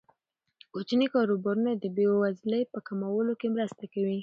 کوچني کاروبارونه د بې وزلۍ په کمولو کې مرسته کوي.